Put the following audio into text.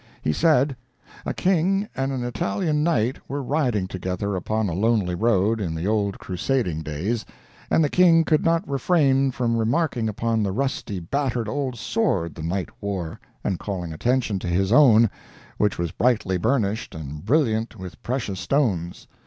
He said: A King and an Italian Knight were riding together upon a lonely road, in the old crusading days, and the King could not refrain from remarking upon the rusty, battered old sword the Knight wore, and calling attention to his own, which was brightly burnished and brilliant with precious stones.